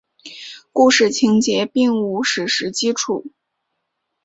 故事情节并无史实基础。